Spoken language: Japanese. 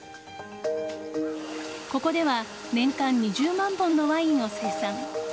ここでは年間２０万本のワインを生産。